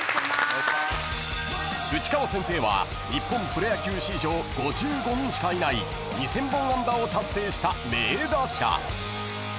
［内川先生は日本プロ野球史上５５人しかいない２，０００本安打を達成した名打者］